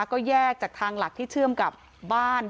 ก็แยกจากทางหลักที่เชื่อมกับบ้าน